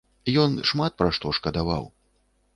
Ён шмат пра што шкадаваў.